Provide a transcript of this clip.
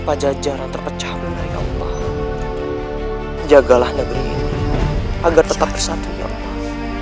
pajajaran terpecah dari allah jagalah negeri ini agar tetap bersatu ya allah